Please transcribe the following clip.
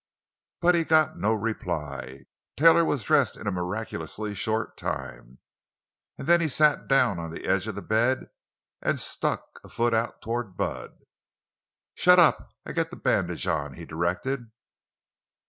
But he got no reply. Taylor was dressed in a miraculously short time, and then he sat down on the edge of the bed and stuck a foot out toward Bud. "Shut up, and get the bandage on!" he directed.